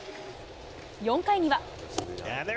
４回には。